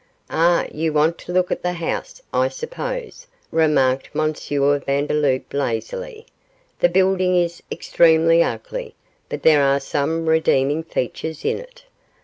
'Ah! you want to look at the house, I suppose,' remarked M. Vandeloup, lazily; 'the building is extremely ugly, but there are some redeeming features in it.